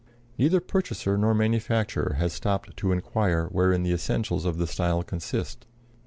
Neither purchaser nor manufacturer has stopped to inquire wherein the essentials of the style consist.